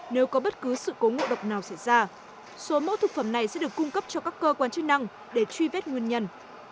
nếu có bất cứ sự cố ngộ độc nào xảy ra số mẫu thực phẩm này sẽ được cung cấp cho các cơ quan chức năng để truy vết nguyên nhân